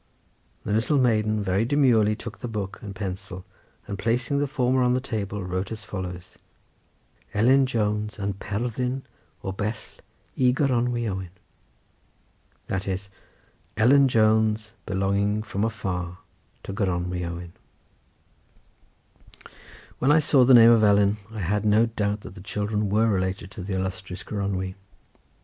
The little maiden very demurely took the book and pencil, and placing the former on the table wrote as follows: "Ellen Jones yn perthyn o bell i gronow owen." That is "Ellen Jones belonging from afar to Gronwy Owen." When I saw the name of Ellen I had no doubt that the children were related to the illustrious Gronwy.